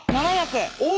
お！